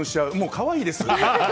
可愛いです。